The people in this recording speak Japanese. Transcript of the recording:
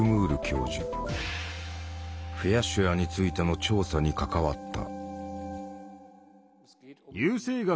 シュアーについての調査に関わった。